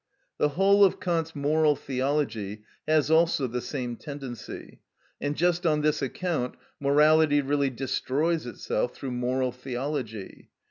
The whole of Kant's moral theology has also the same tendency, and just on this account morality really destroys itself through moral theology.